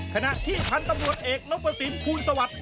เขณะที่พันธ์ตำรวจเอกณปสินภูรสวรรค์